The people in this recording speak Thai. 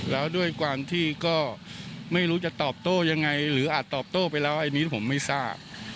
แล้วด้วยความที่ก็ไม่รู้จะตอบโต้ยังไงหรืออาจตอบโต้ไปแล้วอันนี้ผมไม่ทราบ